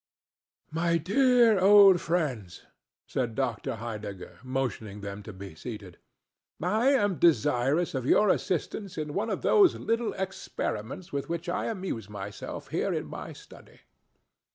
"My dear old friends," said Dr. Heidegger, motioning them to be seated, "I am desirous of your assistance in one of those little experiments with which I amuse myself here in my study."